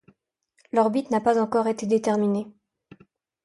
L'orbite n'a pas encore été déterminée.